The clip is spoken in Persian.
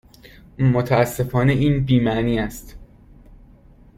متاسفانه این بی معنی است.